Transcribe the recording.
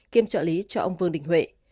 kiêm trợ lý cho ông vương đình huệ